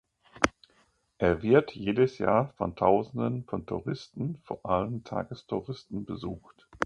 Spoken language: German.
Er wird jedes Jahr von Tausenden von Touristen, vor allem Tagestouristen, besucht.